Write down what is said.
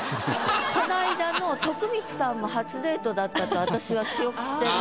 こないだの徳光さんも「初デート」だったと私は記憶してるんです。